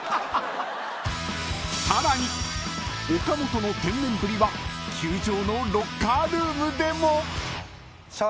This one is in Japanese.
［さらに岡本の天然ぶりは球場のロッカールームでも］